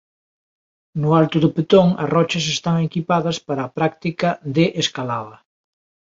No alto do Petón as rochas están equipadas para a práctica de escalada.